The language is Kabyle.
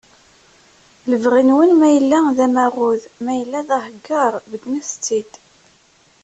Lebɣi-nwen ma yella d amaɣud, ma yella d aheggar beggnet-t-id